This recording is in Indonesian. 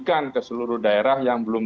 berikan ke seluruh daerah yang belum